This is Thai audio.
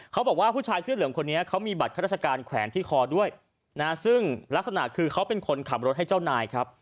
เขาบอกว่าผู้ชายเสื้อเหลืองคนนี้เขามีบัตรข้าราชการแขวนที่คอด้วยนะซึ่งลักษณะคือเขาเป็นคนขับรถให้เจ้านายครับ